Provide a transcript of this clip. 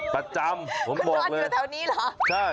ประจำผมบอกเลยคุณนอนอยู่แถวนี้หรือ